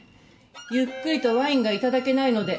ゆっくりとワインが頂けないので。